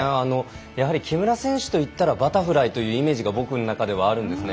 やはり木村選手と言ったらバタフライというイメージが僕の中ではあるんですね。